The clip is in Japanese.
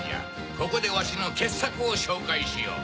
ここでわしの傑作を紹介しよう。